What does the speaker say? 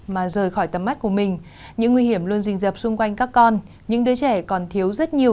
mà rời khỏi tấm mát của mình những nguy hiểm luôn rình dập xung quanh các con những đứa trẻ còn thiếu rất nhiều